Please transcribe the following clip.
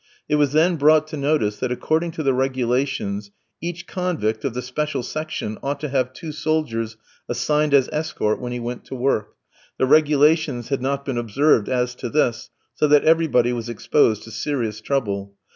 It was then brought to notice that according to the regulations each convict of the "special section" ought to have two soldiers assigned as escort when he went to work; the regulations had not been observed as to this, so that everybody was exposed to serious trouble.